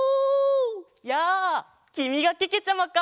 やあきみがけけちゃまか！